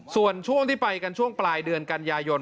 ส่วนช่วงที่ไปกันช่วงปลายเดือนกันยายน